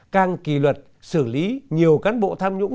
càng kỳ luật xử lý nhiều cán bộ tham nhũng